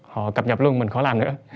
họ cập nhập luôn mình khó làm nữa